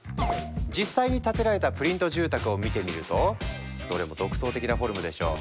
実際に建てられたプリント住宅を見てみるとどれも独創的なフォルムでしょ！